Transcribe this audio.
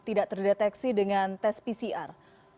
tidak terdeteksi dengan tes pcr